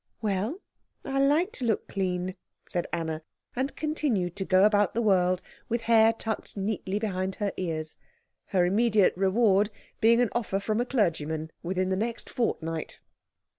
"Well, I like to look clean," said Anna, and continued to go about the world with hair tucked neatly behind her ears; her immediate reward being an offer from a clergyman within the next fortnight.